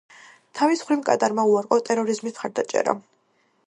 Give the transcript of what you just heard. თავის მხრივ კატარმა უარყო ტერორიზმის მხარდაჭერა.